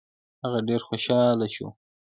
هغه ډېر خوشاله شو.